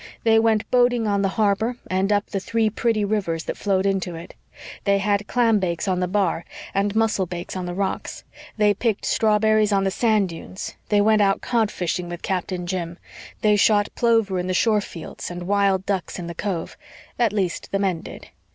They went boating on the harbor and up the three pretty rivers that flowed into it; they had clambakes on the bar and mussel bakes on the rocks; they picked strawberries on the sand dunes; they went out cod fishing with Captain Jim; they shot plover in the shore fields and wild ducks in the cove at least, the men did.